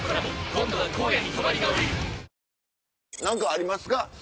何かありますか？